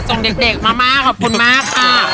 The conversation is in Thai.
ส่งแขกค่ะส่งเด็กมามากขอบคุณมากค่ะ